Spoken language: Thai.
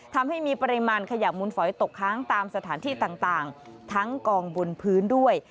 ทำให้มีปริมาณขยะมุนฝอยตกค้างตามสถานที่ต่างทั้งกองบนพื้นด้วย